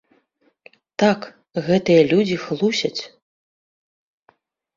Так, гэтыя людзі хлусяць.